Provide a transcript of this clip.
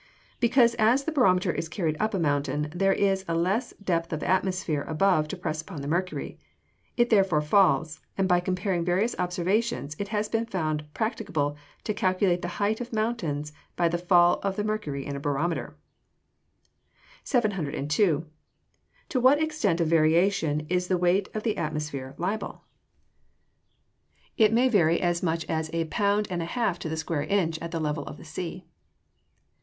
_ Because, as the barometer is carried up a mountain, there is a less depth of atmosphere above to press upon the mercury; it therefore falls, and by comparing various observations, it has been found practicable to calculate the height of mountains by the fall of the mercury in a barometer. 702. To what extent of variation is the weight of the atmosphere liable? It may vary as much as a pound and a half to the square inch at the level of the sea.